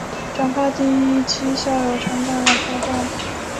转发第一期校友承办的活动